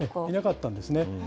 いなかったんですね。